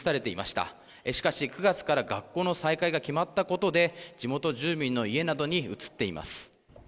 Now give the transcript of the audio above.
しかし９月から学校の再開が決まったことで今は地元住民の家に移るなどほとんどいません」